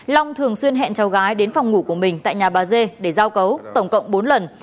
long thường xuyên hẹn cháu gái đến phòng ngủ của mình tại nhà bà dê để giao cấu tổng cộng bốn lần